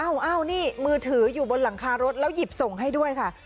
อ้าวนี่มือถืออยู่บนหลังคารถแล้วหยิบส่งให้ด้วยค่ะ